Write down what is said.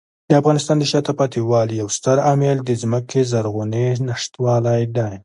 د افغانستان د شاته پاتې والي یو ستر عامل د ځمکې زرغونې نشتوالی دی.